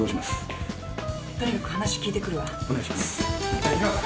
じゃ行きます。